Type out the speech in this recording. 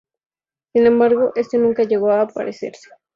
Sin embargo, este nunca llegó a aparecer.